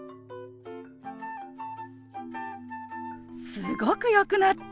すごくよくなった。